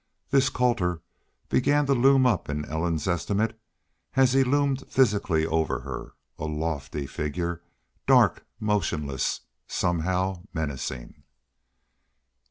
This Colter began to loom up in Ellen's estimate as he loomed physically over her, a lofty figure, dark motionless, somehow menacing.